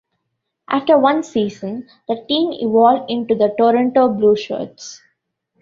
After one season, the team evolved into the Toronto Blueshirts.